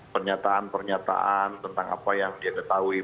pernyataan pernyataan tentang apa yang dia ketahui